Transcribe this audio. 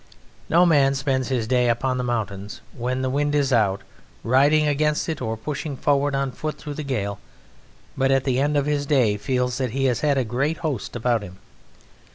No man spends his day upon the mountains when the wind is out, riding against it or pushing forward on foot through the gale, but at the end of his day feels that he has had a great host about him.